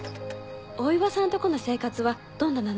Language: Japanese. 大岩さんとこの生活はどんななの？